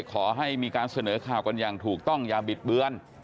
ขอให้มีการเสนอข่าวกันอย่างถูกต้องอย่าบิดเบือน